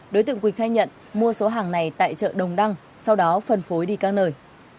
đối tượng quỳnh khai nhận mua số hàng này tại chợ đồng đăng sau đó phân phối đi các nơi